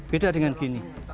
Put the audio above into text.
beda dengan gini